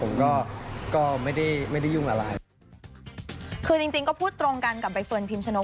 ผมก็ก็ไม่ได้ไม่ได้ยุ่งอะไรคือจริงจริงก็พูดตรงกันกับใบเฟิร์นพิมชนก